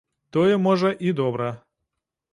Тое, можа, і добра.